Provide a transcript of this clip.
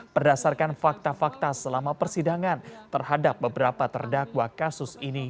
berdasarkan fakta fakta selama persidangan terhadap beberapa terdakwa kasus ini